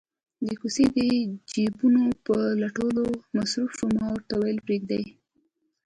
د کوسۍ د جېبونو په لټولو مصروف شو، ما ورته وویل: پرېږده یې.